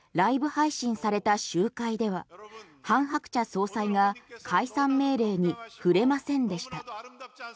配信された集会ではハン・ハクチャ総裁が解散命令に触れませんでした。